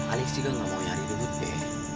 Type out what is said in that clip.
alex juga nggak mau nyari debut be